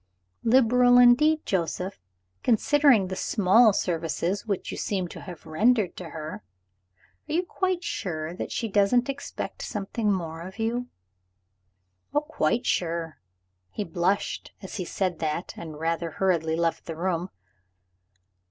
"Liberal indeed, Joseph, considering the small services which you seem to have rendered to her. Are you quite sure that she doesn't expect something more of you?" "Oh, quite sure, sir." He blushed as he said that and rather hurriedly left the room.